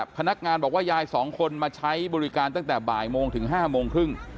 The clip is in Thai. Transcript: พนักงานบอกว่ายาย๒คนมาใช้บริการตั้งแต่บ่ายโมงถึง๕โมงครึ่ง